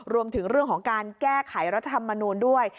รวมถึงเรื่องของการแก้ไขรัฐธรรมนูลด้วย